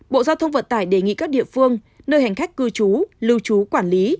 bộ giao thông vận tải đề nghị các địa phương nơi hành khách cư trú lưu trú quản lý